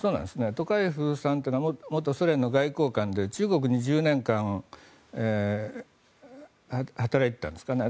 トカエフさんというのは元ソ連の外交官で中国で１０年間働いていたんですかね。